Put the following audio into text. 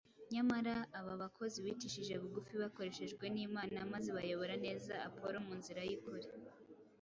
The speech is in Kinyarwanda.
nyamara aba bakozi bicishije bugufi bakoreshejwe n’Imana maze bayobora neza Apolo mu nzira y’ukuri.